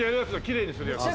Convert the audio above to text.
きれいにするやつ」